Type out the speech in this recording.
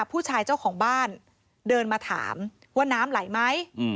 ผู้ชายเจ้าของบ้านเดินมาถามว่าน้ำไหลไหม